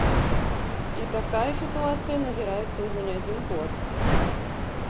І такая сітуацыя назіраецца ўжо не адзін год.